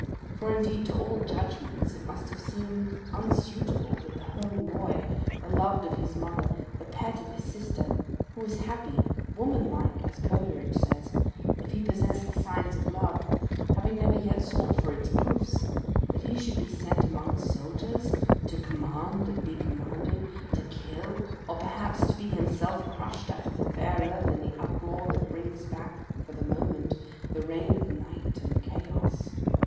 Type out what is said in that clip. For, indeed, to all judgments it must have seemed unsuitable that the home boy, the loved of his mother, the pet of his sisters, who was happy womanlike (as Coleridge says), if he possessed the signs of love, having never yet sought for its proofs that he should be sent amongst soldiers, to command and be commanded; to kill, or perhaps to be himself crushed out of the fair earth in the uproar that brings back for the moment the reign of Night and Chaos.